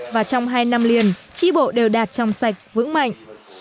và trong hai năm liền tri bộ đều đạt trong sạch vững mạnh